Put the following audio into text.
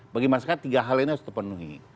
bagi masyarakat tiga hal ini harus terpenuhi